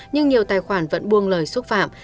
nhưng nhiều tài khoản vẫn buông lời xúc phạm